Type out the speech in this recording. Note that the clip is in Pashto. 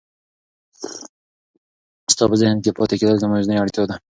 ستا په څنګ کې پاتې کېدل زما یوازینۍ اړتیا ده.